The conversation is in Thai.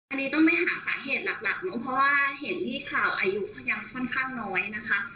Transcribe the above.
อันนี้ต้องไปหาสาเหตุหลักเนอะเพราะว่าเห็นที่ข่าวอายุก็ยังค่อนข้างน้อยนะคะ